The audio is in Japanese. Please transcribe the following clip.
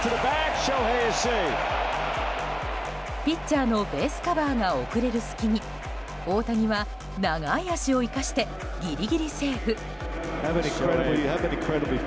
ピッチャーのベースカバーが遅れる隙に大谷は長い脚を生かしてギリギリセーフ。